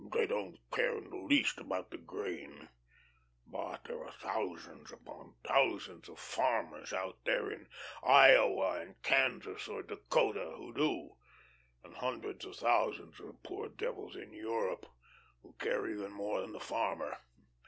They don't care in the least about the grain. But there are thousands upon thousands of farmers out here in Iowa and Kansas or Dakota who do, and hundreds of thousand of poor devils in Europe who care even more than the farmer.